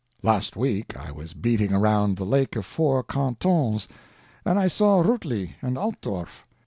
Last week I was beating around the Lake of Four Cantons, and I saw Rutli and Altorf.